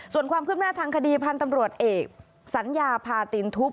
ส่วนความคืบหน้าทางคดีพันธ์ตำรวจเอกสัญญาพาตินทุบ